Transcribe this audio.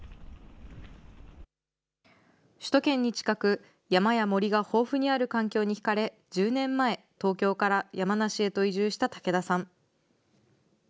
首都圏に近く、山や森が豊富にある環境に引かれ、１０年前、東京から山梨へと移住した竹田さん。